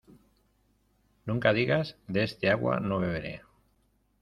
Nunca digas de este agua no beberé.